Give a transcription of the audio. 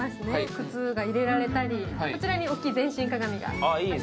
靴が入れられたり、こちらに大きい全身鏡が。